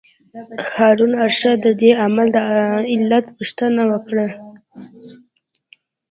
هارون الرشید د دې عمل د علت پوښتنه وکړه.